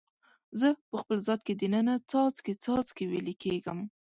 زه په خپل ذات کې د ننه څاڅکي، څاڅکي ویلي کیږم